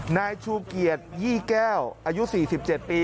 นายชูเกียรติยี่แก้วอายุ๔๗ปี